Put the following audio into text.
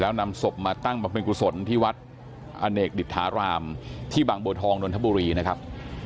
แล้วนำศพมาตั้งบำเพ็ญกุศลที่วัดอเนกดิษฐารามที่บางบัวทองนนทบุรีนะครับ